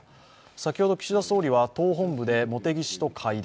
先ほど岸田総理は党本部で茂木氏と会談。